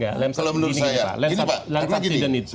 kalau menurut saya land subsiden itu